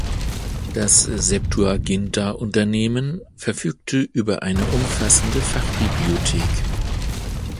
Das Septuaginta-Unternehmen verfügte über eine umfassende Fachbibliothek.